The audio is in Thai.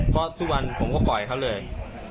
เพราะทุกวันผมก็ปล่อยเขาเลย